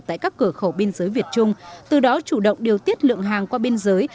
tại các cửa khẩu biên giới việt trung từ đó chủ động điều tiết lượng hàng qua biên giới